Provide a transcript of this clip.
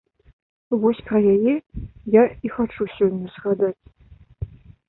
Вось пра яе і хачу сёння згадаць.